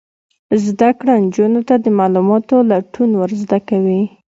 زده کړه نجونو ته د معلوماتو لټون ور زده کوي.